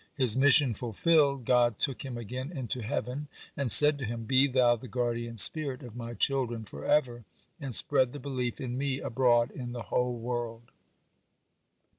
His mission fulfilled, God took him again into heaven, and said to him: "Be thou the guardian spirit of My children forever, and spread the belief in Me abroad in the whole world."